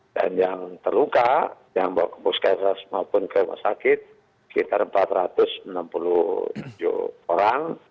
dan yang terluka yang bawa ke puskesmas maupun ke rumah sakit sekitar empat ratus enam puluh tujuh orang